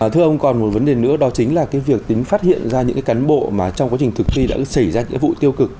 thưa ông còn một vấn đề nữa đó chính là cái việc tính phát hiện ra những cán bộ mà trong quá trình thực thi đã xảy ra những vụ tiêu cực